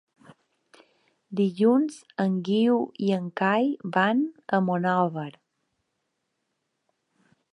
Dilluns en Guiu i en Cai van a Monòver.